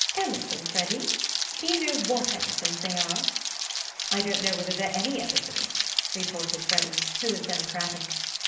"Emerson, Freddy? Do you know what Emersons they are?" "I don't know whether they're any Emersons," retorted Freddy, who was democratic.